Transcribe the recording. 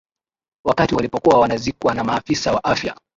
wakati walipokuwa wanazikwa na maafisa wa afya